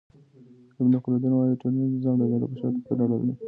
ابن خلدون وايي چي ټولنيز نظام د کډه په شاته پوري اړه لري.